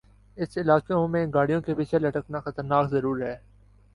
اس علاقے میں گاڑیوں کے پیچھے لٹکنا خطرناک ضرور ہے